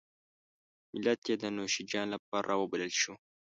ملت یې د نوشیجان لپاره راوبلل شو.